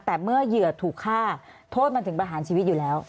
แต่เมื่อเหยื่อถูกฆ่าโทษมันถึงประหารชีวิตอยู่แล้ว